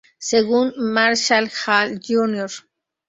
Según Marshall Hall, Jr.